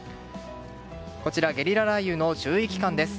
こちらゲリラ雷雨の注意期間です。